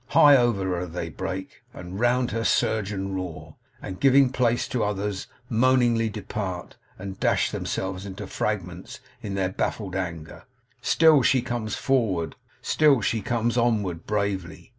High over her they break; and round her surge and roar; and giving place to others, moaningly depart, and dash themselves to fragments in their baffled anger. Still she comes onward bravely.